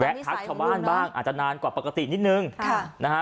และทักชาวบ้านบ้างอาจจะนานกว่าปกตินิดนึงค่ะนะฮะ